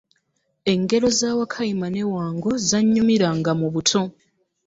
Engera za wakayima ne Wngo zannyumiranga mu buto.